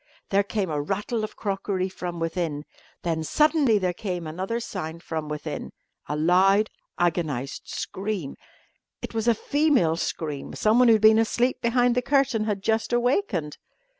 There came a rattle of crockery from within. Then suddenly there came another sound from within a loud, agonised scream. It was a female scream. Someone who had been asleep behind the curtain had just awakened.